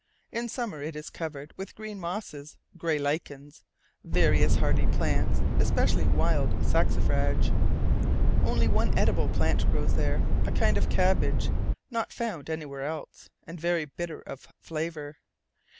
In summer it is covered with green mosses, grey lichens, various hardy plants, especially wild saxifrage. Only one edible plant grows there, a kind of cabbage, not found anywhere else, and very bitter of flavour.